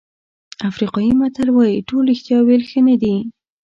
افریقایي متل وایي ټول رښتیا ویل ښه نه دي.